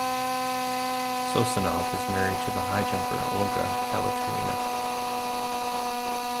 Sosunov is married to high jumper Olga Kaliturina.